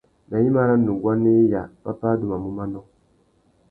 Nà gnïmá râ nuguá nà iya, pápá adumamú manô.